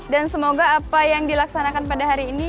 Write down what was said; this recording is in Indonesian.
dan semoga apa yang dilaksanakan pada hari ini